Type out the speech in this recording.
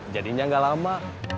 jadinya gak lama